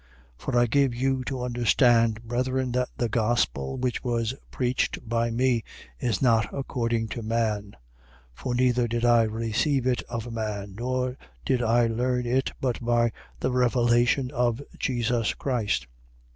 For I give you to understand, brethren, that the gospel which was preached by me is not according to man. 1:12. For neither did I receive it of man: nor did I learn it but by the revelation of Jesus Christ. 1:13.